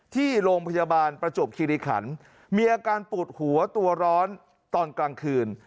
ที่โรงพยาบาลประจวบคิริขันมีอาการปวดหัวตัวร้อนตอนกลางคืน